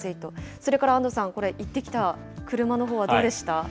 それから安藤さん、これ行ってきた、車のほうはどうでした？